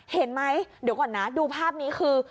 เห็นไหมเดี๋ยวก่อนนะดูภาพนี้คือ